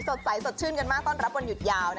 สดใสสดชื่นกันมากต้อนรับวันหยุดยาว